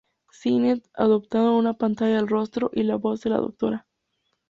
Skynet adoptando en una pantalla el rostro y la voz de la Dra.